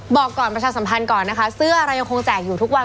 บอกก่อนประชาสัมพันธ์ก่อนนะคะเสื้อเรายังคงแจกอยู่ทุกวัน